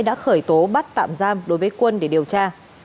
đối với quân để điều tra